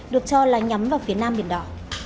được cho là nhắm vào phía nam biển đỏ